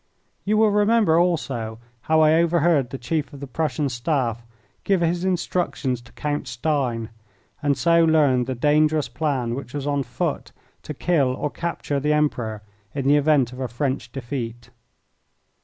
You will remember also how I overheard the Chief of the Prussian Staff give his instructions to Count Stein, and so learned the dangerous plan which was on foot to kill or capture the Emperor in the event of a French defeat.